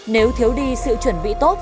nếu thiếu đi sự chuẩn bị tốt